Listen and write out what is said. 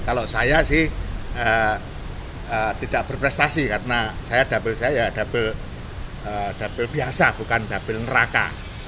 kalau saya sih tidak berprestasi karena saya double saya ya double double biasa bukan dapil neraka